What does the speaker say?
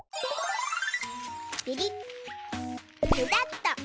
ビリッペタッと。